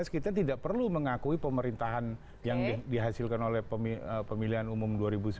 kita tidak perlu mengakui pemerintahan yang dihasilkan oleh pemilihan umum dua ribu sembilan belas